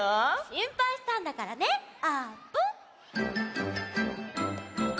しんぱいしたんだからねあーぷん。